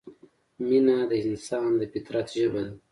مینه د انسان د فطرت ژبه ده.